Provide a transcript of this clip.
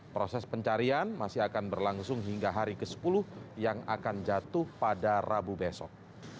proses pencarian masih akan berlangsung hingga hari ke sepuluh yang akan jatuh pada rabu besok